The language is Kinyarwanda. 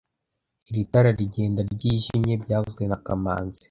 Iri tara rigenda ryijimye byavuzwe na kamanzi